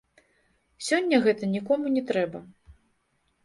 Сёння гэта нікому не трэба.